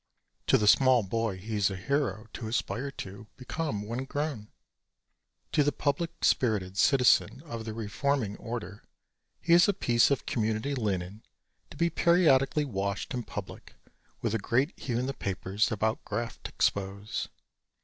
To the small boy he is a hero to aspire to become when grown. To the public spirited citizen of the reforming order he is a piece of community linen to be periodically washed in public with a great hue in the papers about graft expose.